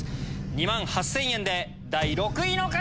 ２万８０００円で第６位の方！